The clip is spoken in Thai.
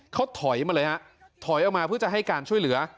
เขาถอยมาเลยฮะถอยออกมาเพื่อจะให้การช่วยเหลือ